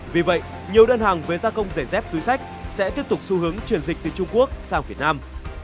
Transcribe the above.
vì vậy nhiều đơn hàng với gia công dày dép túi sách sẽ tiếp tục xu hướng chuyển dịch từ trung quốc sang việt nam